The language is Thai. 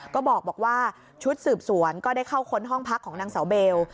ก็บอกว่าชุดสืบสวนก็ได้เข้าค้นห้องพักของนางเสาเบล